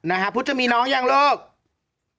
นะฮะพุทธจะมีน้องยังลูก